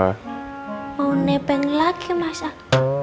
mau nebeng lagi mas al